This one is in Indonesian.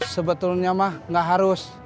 sebetulnya mah gak harus